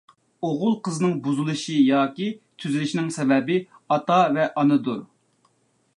ئوغۇل قىزنىڭ بۇزۇلۇشى ياكى تۈزىلىشىنىڭ سەۋەبى ئاتا ۋە ئانىدۇر.